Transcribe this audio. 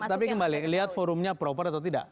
tapi kembali lihat forumnya proper atau tidak